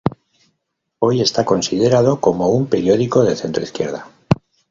Hoy está considerado como un periódico de centro-izquierda.